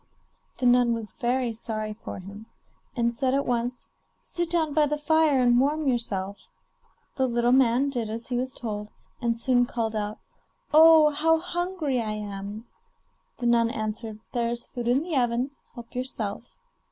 The nun was very sorry for him, and said at once: 'Sit down by the fire and warm yourself.' The little man did as he was told, and soon called out: 'Oh! how hungry I am!' The nun answered: 'There is food in the oven, help yourself.